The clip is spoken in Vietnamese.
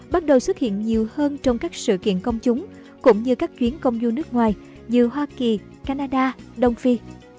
bắt đầu xuất hiện nhiều hơn trong các sự kiện công chúng cũng như các chuyến công du nước ngoài như hoa kỳ canada đông phi